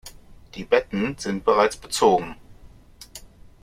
Die Betten sind bereits bezogen.